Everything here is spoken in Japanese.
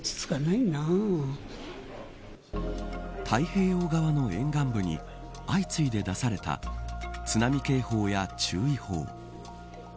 太平洋側の沿岸部に相次いで出された津波警報や注意報。